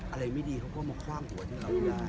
อะไรไม่ดีเขาก็มาคว่างหัวที่เราไม่ได้